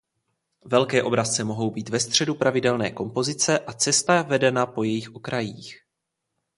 Velké obrazce mohou být ve středu pravidelné kompozice a cesta vedena po jejich okrajích.